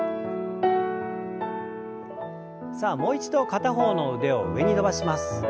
さあもう一度片方の腕を上に伸ばします。